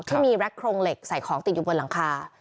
ที่มีแร็คโครงเหล็กใส่ของติดอยู่บนหลังคา